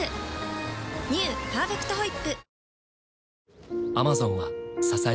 「パーフェクトホイップ」